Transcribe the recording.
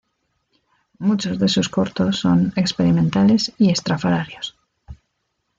Muchos de sus cortos son experimentales y estrafalarios.